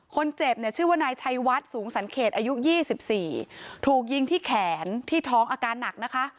คนเจ็บเนี่ยชื่อว่านายชัยวัดสูงสันเขตอายุ๒๔ถูกยิงที่แขนที่ท้องอาการหนักนะคะ